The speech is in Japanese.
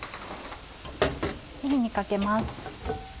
火にかけます。